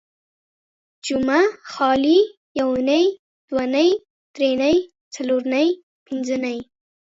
جمعه ، خالي ، يونۍ ،دونۍ ، دري نۍ، څلور نۍ، پنځه نۍ